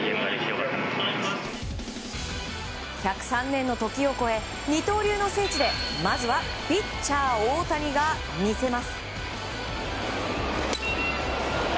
１０３年の時を越え二刀流の聖地でまずはピッチャー大谷が見せます。